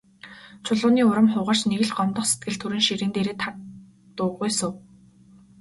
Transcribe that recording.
Чулууны урам хугарч, нэг л гомдох сэтгэл төрөн ширээн дээрээ таг дуугүй суув.